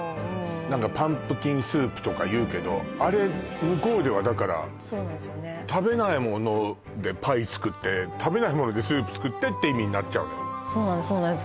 パンプキンスープとか言うけどあれ向こうではだから食べないものでパイ作って食べないものでスープ作ってって意味になっちゃうのそうなんですそうなんです